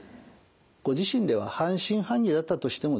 ご自身では半信半疑だったとしてもですね